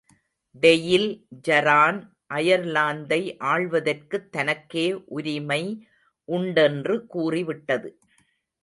Tail Eireann அயர்லாந்தை ஆள்வதற்குத் தனக்கே உரிமை உண்டென்று கூறிவிட்டது.